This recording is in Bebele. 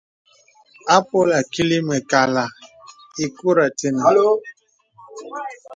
Àpolə̀ kilə̀ mə̀kàlà ìkurə̀ tenə̀.